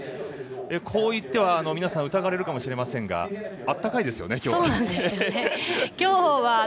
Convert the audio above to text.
こう言っては皆さん疑われるかもしれませんが暖かいですね、今日は。